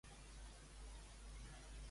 Quantes obres va fer en castellà?